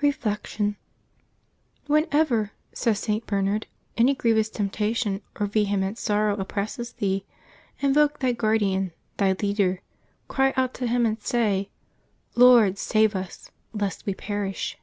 Reflection. — "Whenever,^' says St. Bernard, "any grievous temptation or vehement sorrow oppresses thee, invoke thy guardian, thy leader; cry out to him, and say, * Lord, save us, lest we perish